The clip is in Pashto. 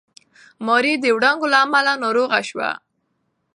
ماري د وړانګو له امله ناروغه شوه.